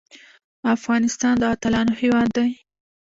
افغانستان د اتلانو هیواد دی